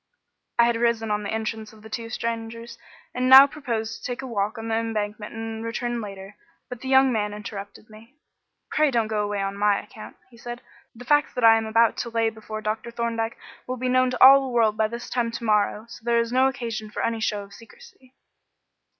I had risen on the entrance of the two strangers, and now proposed to take a walk on the Embankment and return later, but the young man interrupted me. "Pray don't go away on my account," he said. "The facts that I am about to lay before Dr. Thorndyke will be known to all the world by this time to morrow, so there is no occasion for any show of secrecy."